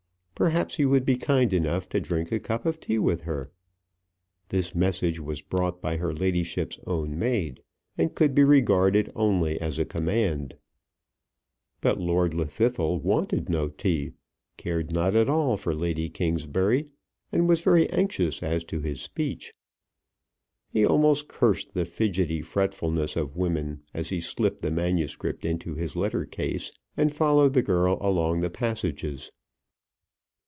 Perhaps he would be kind enough to drink a cup of tea with her. This message was brought by her ladyship's own maid, and could be regarded only as a command. But Lord Llwddythlw wanted no tea, cared not at all for Lady Kingsbury, and was very anxious as to his speech. He almost cursed the fidgety fretfulness of women as he slipped the manuscript into his letter case, and followed the girl along the passages.